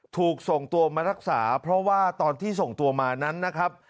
ถูกส่งตัวมารักษาเพราะว่าตอนที่ส่งตัวมานั้นนะครับ